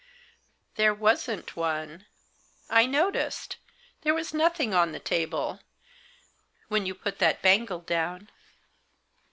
" There — wasn't one — I noticed — there was nothing on the table — when you put that bangle down."